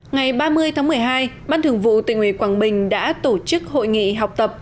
ngày ba mươi tháng một mươi hai ban thường vụ tỉnh ủy quảng bình đã tổ chức hội nghị học tập